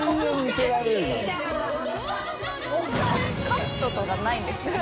カットとかないんですね。